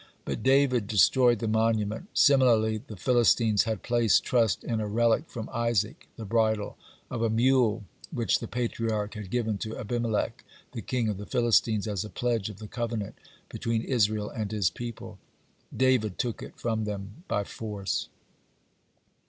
But David destroyed the monument. (57) Similarly, the Philistines had placed trust in a relic from Isaac, the bridle of a mule which the Patriarch had given to Abimelech, the king of the Philistines, as a pledge of the covenant between Israel and his people. David took it from them by force.